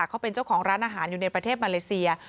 เขาเป็นเจ้าของร้านอาหารอยู่ในประเทศมาเลเซีย